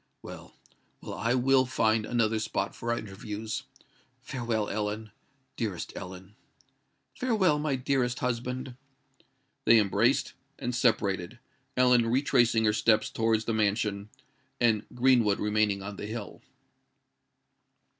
"Well—well: I will find another spot for our interviews. Farewell, Ellen—dearest Ellen." "Farewell, my dearest husband." They embraced, and separated—Ellen retracing her steps towards the mansion, and Greenwood remaining on the hill.